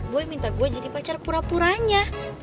gue minta gue jadi pacar pura puranya